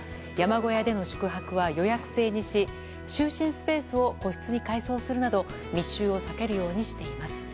小屋での宿泊は予約制にし就寝スペースを個室に改装するなど密集を避けるようにしています。